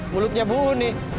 mulutnya buuh nih